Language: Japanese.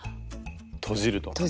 とじると。